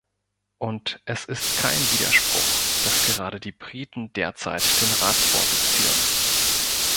Und es ist kein Widerspruch, dass gerade die Briten derzeit den Ratsvorsitz führen.